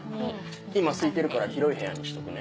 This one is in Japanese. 今すいてるから広い部屋にしとくね。